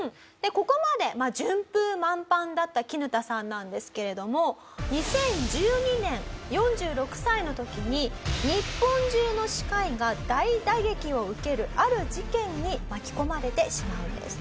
ここまで順風満帆だったキヌタさんなんですけれども２０１２年４６歳の時に日本中の歯科医が大打撃を受けるある事件に巻き込まれてしまうんです。